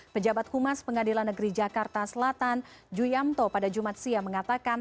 pejabat kumas pengadilan negeri jakarta selatan ju yamto pada jumat siam mengatakan